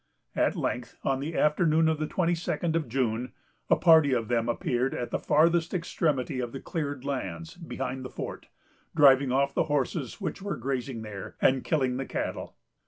At length, on the afternoon of the twenty second of June, a party of them appeared at the farthest extremity of the cleared lands behind the fort, driving off the horses which were grazing there, and killing the cattle.